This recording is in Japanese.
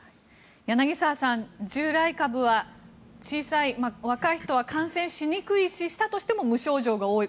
柳澤さん従来株は小さい、若い人は感染しにくいししたとしても無症状が多い。